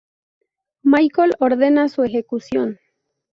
Michael ordena su ejecución.